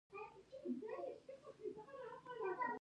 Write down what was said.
ایا زه باید د ماشوم ویښتان وخرییم؟